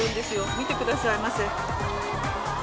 見てくださいませ。